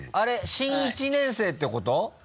新１年生ってこと？